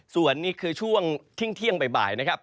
ส่วนนี่คือช่วงเที่ยงบ่ายนะครับ